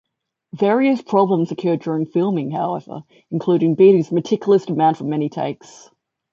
Various problems occurred during filming, however, including Beatty's meticulous demand for many takes.